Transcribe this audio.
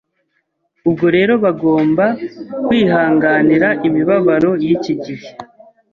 Ubwo rero bagomba kwihanganira imibabaro y’iki gihe.